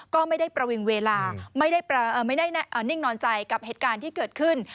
ก็ไม่ได้ประวิงเวลาไม่ได้นิ่งนอนใจกับเหตุการณ์ที่เกิดขึ้น